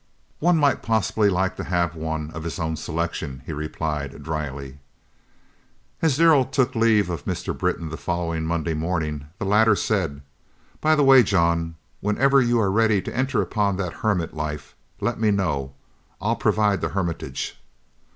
"One might possibly like to have one of his own selection," he replied, dryly. As Darrell took leave of Mr. Britton the following Monday morning the latter said, "By the way, John, whenever you are ready to enter upon that hermit life let me know; I'll provide the hermitage."